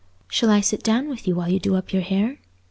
Shall I sit down with you while you do up your hair?"